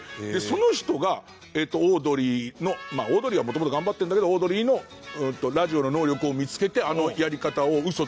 その人がオードリーのまあオードリーはもともと頑張ってるんだけどオードリーのラジオの能力を見付けてあのやり方を嘘ついて。